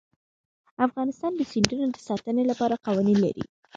افغانستان د سیندونه د ساتنې لپاره قوانین لري.